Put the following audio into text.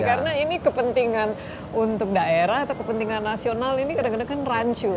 karena ini kepentingan untuk daerah atau kepentingan nasional ini kadang kadang kan rancu